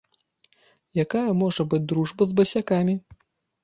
Якая можа быць дружба з басякамі?